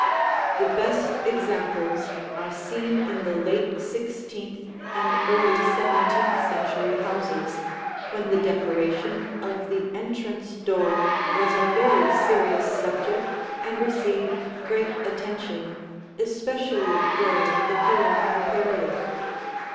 The best examples are seen in the late sixteenth and early seventeenth century houses, when the decoration of the entrance door was a very serious subject and received great attention, especially during the Colonial period.